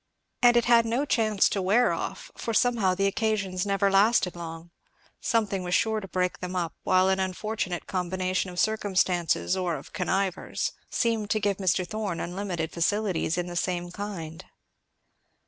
And it had no chance to wear off, for somehow the occasions never lasted long; something was sure to break them up; while an unfortunate combination of circumstances, or of connivers, seemed to give Mr. Thorn unlimited facilities in the same kind.